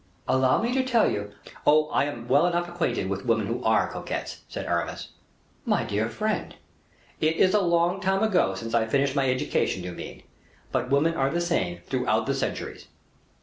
"Allow me to tell you " "Oh! I am well enough acquainted with women who are coquettes," said Aramis. "My dear friend!" "It is a long time ago since I finished my education, you mean. But women are the same, throughout the centuries."